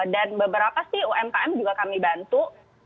dan beberapa sih umkm juga kami bantu